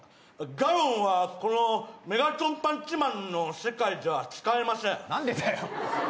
ガロンはこのメガトンパンチマンの世界では使えません。